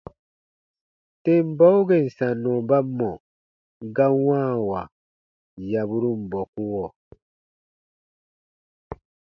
Tem bau gèn sannɔ ba mɔ̀ ga wãawa yaburun bɔkuɔ.